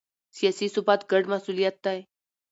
سیاسي ثبات ګډ مسوولیت دی